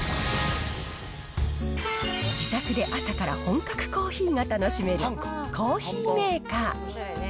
自宅で朝から本格コーヒーが楽しめるコーヒーメーカー。